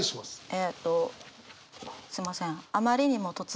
えっとすいません。